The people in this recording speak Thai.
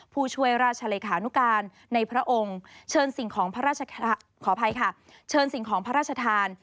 ผู้ช่วยราชาเลขานุการณ์ในพระองค์เชิญสิ่งของพระราชทาน